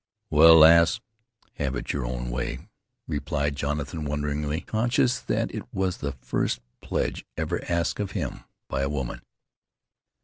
"Well, lass, have it your own way," replied Jonathan, wonderingly conscious that it was the first pledge ever asked of him by a woman.